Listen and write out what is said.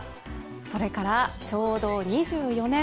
それから、ちょうど２４年。